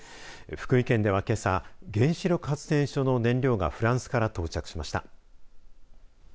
福井県では、けさ原子力発電所の燃料がフランスから到着しました。